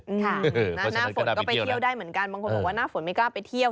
หน้าฝนก็ไปเที่ยวได้เหมือนกันบางคนบอกว่าหน้าฝนไม่กล้าไปเที่ยว